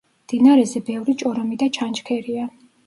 მდინარეზე ბევრი ჭორომი და ჩანჩქერია.